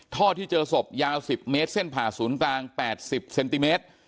ท่อที่เจอศพยาว๑๐เมตรเส้นผ่าศูนย์กลาง๘๐เซนติเมตร